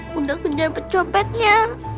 bunda kejapet copetnya